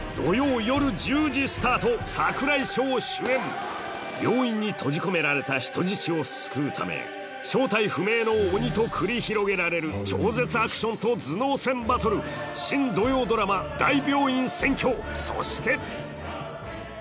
櫻井翔主演病院に閉じ込められた人質を救うため正体不明の鬼と繰り広げられる超絶アクションと頭脳戦バトル新土曜ドラマそしてえ？